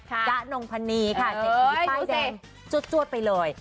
กะนงพะนีค่ะแข่งขีดป้ายแดงจวดไปเลย